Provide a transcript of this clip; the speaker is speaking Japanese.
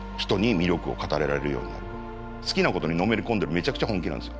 好きなことにのめり込んだらめちゃくちゃ本気なんですよ。